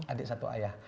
adik satu ayah